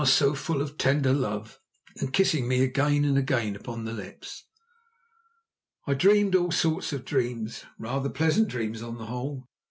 so full of tender love, and kissing me again and again upon the lips. I dreamed all sorts of dreams, rather pleasant dreams on the whole.